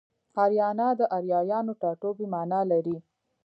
اریانا د اریایانو ټاټوبی مانا لري